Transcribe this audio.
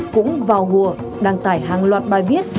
cũng vào ngùa đăng tải hàng loạt bài viết